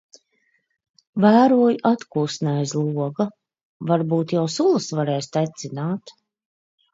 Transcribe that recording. Vēroju atkusni aiz loga. Varbūt jau sulas varēs tecināt... ?